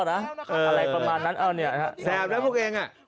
อะไรประมาณนั้นเอ้าเนี่ยนะฮะแสบแล้วพวกเองอะ